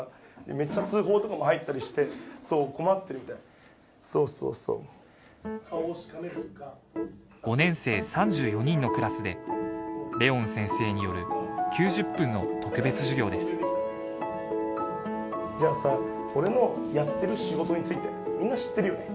めっちゃ通報とかも入ったりしてそう困ってるみたいそうそうそう５年生３４人のクラスで怜音先生による９０分の特別授業ですじゃあさ俺のやってる仕事についてみんな知ってるよね